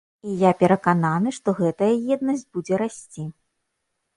І я перакананы, што гэтая еднасць будзе расці.